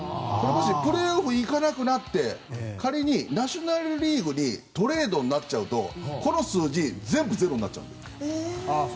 プレーオフに行かなくなって仮にナショナル・リーグにトレードになっちゃうとこの数字、全部ゼロになっちゃう。